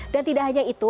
dan tidak hanya itu